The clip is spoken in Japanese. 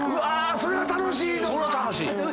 それが楽しいのか！